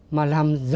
mà làm giỏi